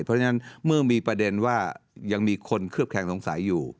เพราะฉะนั้นเมื่อมีประเด็นว่ายังมีคนเคลือบแคลงสงสัยอยู่